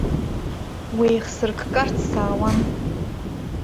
Уеихсырккарц саауан.